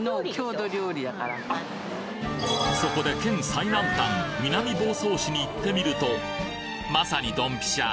そこで県最南端南房総市に行ってみるとまさにドンピシャ！